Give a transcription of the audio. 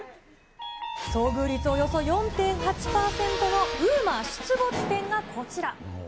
遭遇率およそ４．８％のＵＭＡ出没店がこちら。